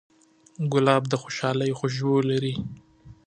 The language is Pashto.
ګلاب د خوشحالۍ خوشبو لري.